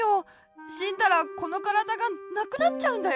しんだらこのからだがなくなっちゃうんだよ。